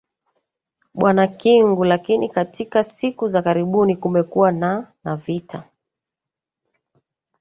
bwana kingu lakini katika siku za karibuni kumekuwa na na vita